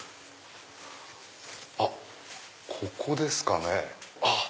あっここですかね。